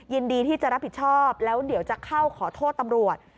ยินดีที่จะรับผิดชอบแล้วเดี๋ยวจะเข้าขอโทษตำรวจ